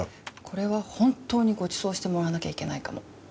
これは本当にごちそうしてもらわなきゃいけないかも。